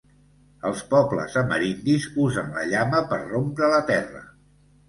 Els pobles amerindis usen la llama per rompre la terra.